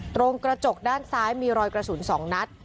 ตรงกระจกด้านซ้ายมีรอยกระสุน๒นัด